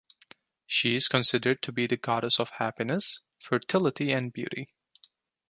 She is considered to be the goddess of happiness, fertility, and beauty.